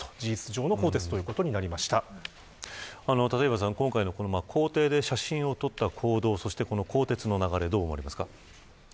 立岩さん、今回の公邸で写真を撮った行動そして更迭の流れ